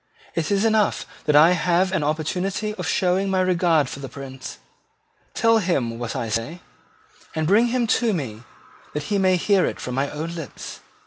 "It is enough that I have an opportunity of showing my regard for the Prince. Tell him what I say; and bring him to me that he may hear it from my own lips."